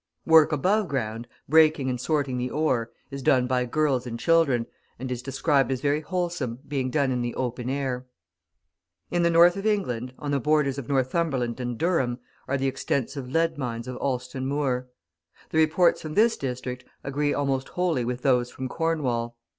Work above ground, breaking and sorting the ore, is done by girls and children, and is described as very wholesome, being done in the open air. In the North of England, on the borders of Northumberland and Durham, are the extensive lead mines of Alston Moor. The reports from this district agree almost wholly with those from Cornwall.